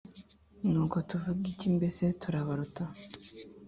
Nuko tuvuge iki, mbese turabaruta?